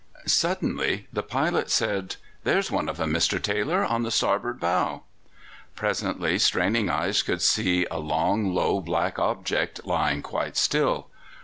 Suddenly the pilot said: "There's one of them, Mr. Taylor, on the starboard bow." Presently straining eyes could see a long, low, black object lying quite still.